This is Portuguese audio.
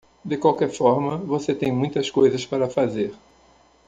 De qualquer forma, você tem muitas coisas para fazer.